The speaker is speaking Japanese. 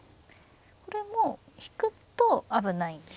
これも引くと危ないんですね。